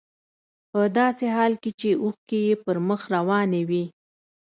په داسې حال کې چې اوښکې يې پر مخ روانې وې.